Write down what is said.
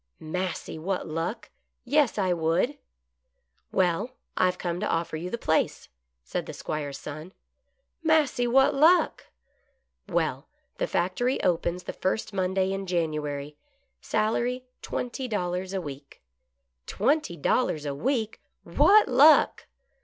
"Massy, what luck! Yes, I would." " Well, I have come to offer you the place," said the 'Squire's son. " Massy, what luck !"" Well, the factory opens the first Monday in January. Salary twenty dollars a week." " Twenty dollars a week. What luck